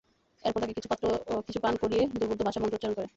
এরপর তাকে কিছু পান করিয়ে দুর্বোধ্য ভাষা মন্ত্র উচ্চারণ করে।